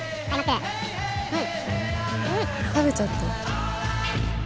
食べちゃった。